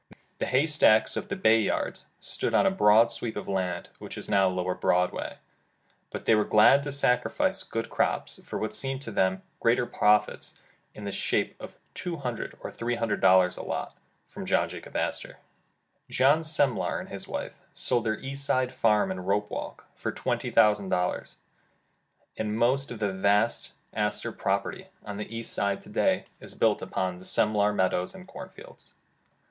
The haystacks of the Bayards stood on a broad sweep of land which is now Lower Broadway, but they were glad to sacrifice good crops, for what seemed to them greater profits, in the shape of two hundred and three hundred dollars a lot, from John Jacob Astor. 236 Landlord and Airlord John Semlar and his wife sold their East Side farm and ropewalk for twenty thousand dollars, and most of the vast Astor property on the East Side to day, is built upon the Semlar meadows and cornfields.